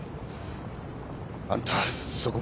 あんたそこまで。